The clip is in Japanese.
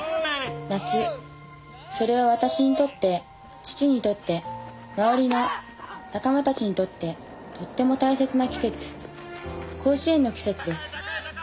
夏それは私にとって父にとって周りの仲間たちにとってとっても大切な季節甲子園の季節です。